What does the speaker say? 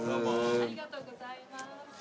ありがとうございます。